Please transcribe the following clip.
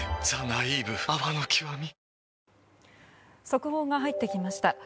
速報が入ってきました。